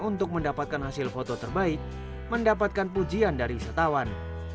untuk mendapatkan hasil foto terbaik mendapatkan pujian dari wisatawan